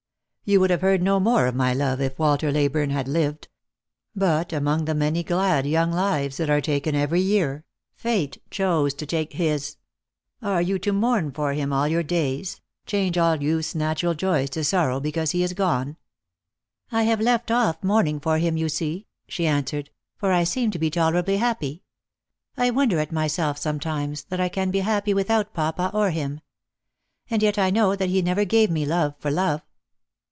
You would have heard no more of my love if Walter Leyburne had lived. But among the many glad young lives that are taken every year, Fate chose to take his ; are you to mourn for him all your days, change all youth's natural joya to sorrow because he is gone ?"" I have left off mourning for him, you see," she answered, " for I seem to be tolerably happy. I wonder at myself some times, that I can be happy without papa or him. And yet I know that he never gave me love for love."